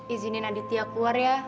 izinin aditya keluar ya